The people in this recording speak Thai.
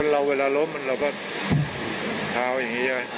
เราเวลาล้มมันเราก็เผาอย่างนี้ใช่ไหม